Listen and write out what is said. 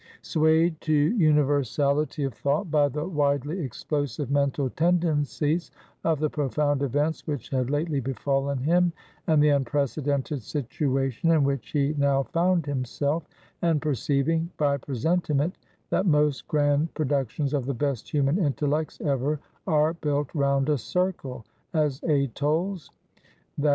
Swayed to universality of thought by the widely explosive mental tendencies of the profound events which had lately befallen him, and the unprecedented situation in which he now found himself; and perceiving, by presentiment, that most grand productions of the best human intellects ever are built round a circle, as atolls (_i. e.